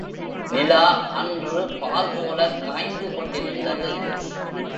நிலா அன்று பால்போலக் காய்ந்து கொண்டிருந்தது.